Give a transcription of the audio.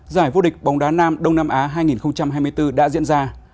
giải vô địch bóng đá nam đông nam á hai nghìn hai mươi bốn đã diễn ra